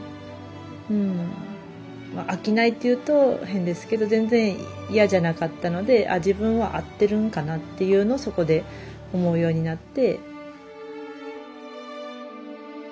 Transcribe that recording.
うん飽きないって言うと変ですけど全然嫌じゃなかったので自分は合ってるんかなっていうのをそこで思うようになって。